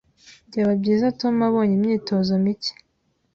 Byaba byiza Tom abonye imyitozo mike.